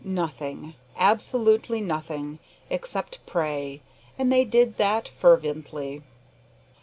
Nothing, absolutely nothing, except pray; and they did that fervently.